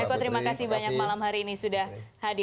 eko terima kasih banyak malam hari ini sudah hadir